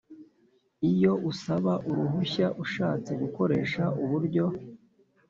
Iyo usaba uruhushya ashatse gukoresha uburyo